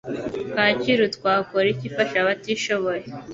kacyiru twakora iki ifasha abatishoboye